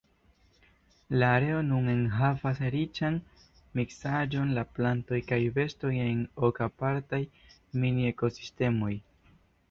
La areo nun enhavas riĉan miksaĵon de plantoj kaj bestoj en ok apartaj mini-ekosistemoj.